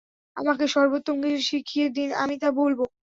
আমাকে সর্বোত্তম কিছু শিখিয়ে দিন আমি তা বলব।